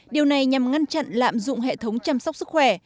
điều này nhằm ngăn chặn lạm dụng hệ thống chăm sóc sức khỏe